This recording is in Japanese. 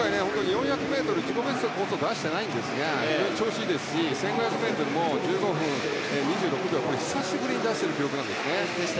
今回、４００ｍ自己ベストこそ出していないんですが調子いいですし１５００ｍも１５分２６秒と久しぶりに出した記録なんですね。